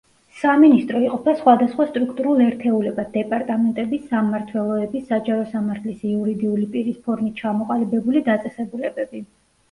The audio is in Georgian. სამინისტრო იყოფა სხვადასხვა სტრუქტურულ ერთეულებად: დეპარტამენტები, სამმართველოები, საჯარო სამართლის იურიდიული პირის ფორმით ჩამოყალიბებული დაწესებულებები.